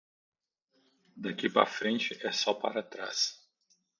Daqui para frente é só para trás.